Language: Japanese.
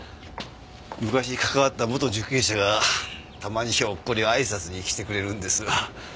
昔関わった元受刑者がたまにひょっこりあいさつに来てくれるんですわ。